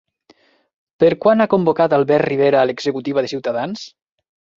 Per quan ha convocat Albert Rivera a l'executiva de Ciutadans?